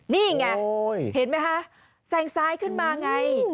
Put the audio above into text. นี่ไงเห็นไหมคะแซงซ้ายขึ้นมาไง